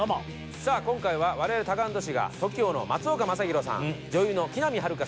「さあ今回は我々タカアンドトシがＴＯＫＩＯの松岡昌宏さん女優の木南晴夏さん